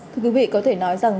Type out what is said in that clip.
thưa quý vị có thể nói rằng